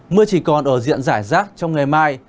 mưa chỉ còn ở diện giải rác trong ngày mai